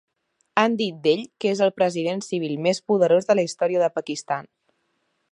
Han dit d'ell que és el president civil més poderós de la història del Pakistan.